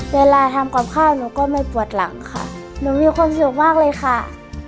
เวลาทำกับข้าวหนูก็ไม่ปวดหลังค่ะหนูมีความสุขมากเลยค่ะ